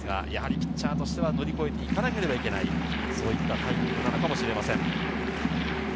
ピッチャーとしては乗り越えていかなければいけないタイミングなのかもしれません。